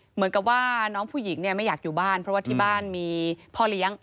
เหมือนกับว่าน้องผู้หญิงเนี่ยไม่อยากอยู่บ้านเพราะว่าที่บ้านมีพ่อเลี้ยง